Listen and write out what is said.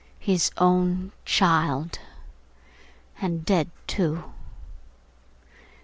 His own child! And dead too.